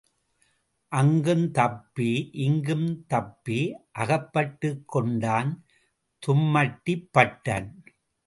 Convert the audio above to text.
அங்கும் தப்பி இங்கும் தப்பி அகப்பட்டுக் கொண்டான் தும்மட்டிப்பட்டன்.